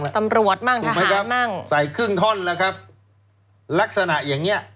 ตำรวจบ้างทหารบ้างใส่ครึ่งท่อนแล้วครับลักษณะอย่างเงี้ย